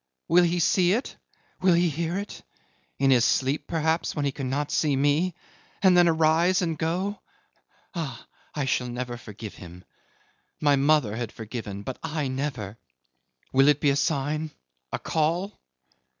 Will he see it will he hear it? In his sleep perhaps when he cannot see me and then arise and go. Ah! I shall never forgive him. My mother had forgiven but I, never! Will it be a sign a call?"